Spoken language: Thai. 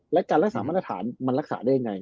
และการรักษามาตรฐานมันรักษาได้ยังไง